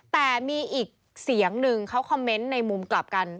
แต่มีอีกเสียงหนึ่งเขาคอมเมนต์ในมุมกลับกัน